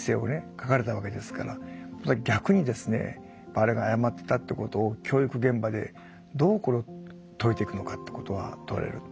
書かれたわけですから逆にですねあれが誤っていたってことを教育現場でどうこれを説いていくのかってことは問われる。